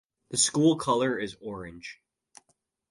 The school color is orange.